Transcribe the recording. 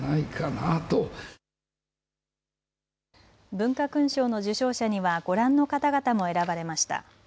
文化勲章の受章者にはご覧の方々も選ばれました。